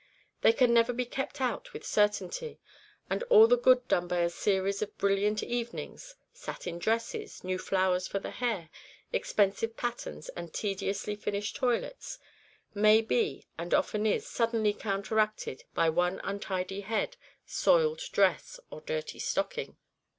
They can never be kept out with certainty, and all the good done by a series of brilliant evenings satin dresses, new flowers for the hair, expensive patterns, and tediously finished toilets may be, and often is, suddenly counteracted by one untidy head, soiled dress, or dirty stocking.